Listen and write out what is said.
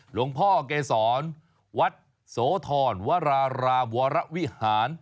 หลวงพ่อเกษรวัดโสธรวรารามวรวิหาร